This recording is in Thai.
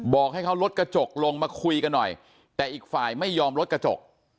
บอกให้เขาลดกระจกลงมาคุยกันหน่อยแต่อีกฝ่ายไม่ยอมลดกระจก